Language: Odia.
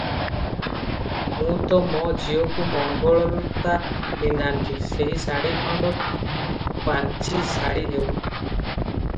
ମୁଁ ତ ମୋ ଝିଅକୁ ମଙ୍ଗଳଲତା ପିନ୍ଧାନ୍ତି, ସେହି ଶାଢ଼ୀ ଖଣ୍ଡ ପାଞ୍ଚି ଶାଢ଼ୀ ହେଉ ।